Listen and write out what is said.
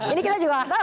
ini kita juga gak tahu